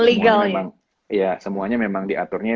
iya semuanya memang diaturnya